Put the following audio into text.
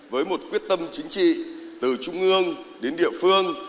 với một quyết tâm chính trị từ trung ương đến địa phương